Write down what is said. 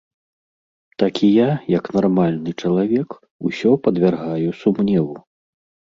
Так і я, як нармальны чалавек, усё падвяргаю сумневу.